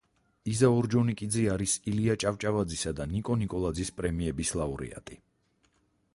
იზა ორჯონიკიძე არის ილია ჭავჭავაძისა და ნიკო ნიკოლაძის პრემიების ლაურეატი.